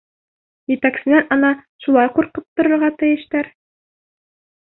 Етәксенән ана шулай ҡурҡып торорға тейештәр.